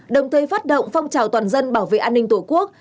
đồng thời phát động phong trào toàn dân bảo vệ an ninh tổ quốc